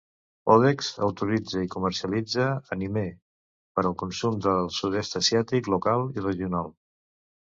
Odex autoritza i comercialitza "animé" per al consum del Sud-est asiàtic local i regional.